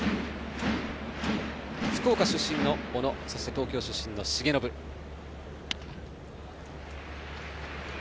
福岡出身の小野東京出身の重信です。